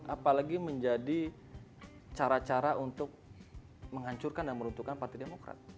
apalagi menjadi cara cara untuk menghancurkan dan meruntuhkan partai demokrat